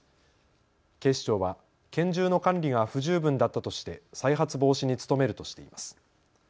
警視庁は拳銃の管理が不十分だったとして再発防止に努めるとしています。